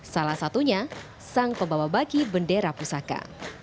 salah satunya sang pembawa baki bendera pusaka